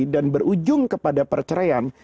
dan berujung kepada perceraian